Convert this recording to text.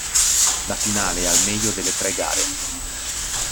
La finale è al meglio delle tre gare.